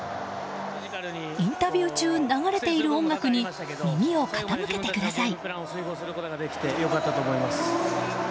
インタビュー中、流れている音楽に耳を傾けてください。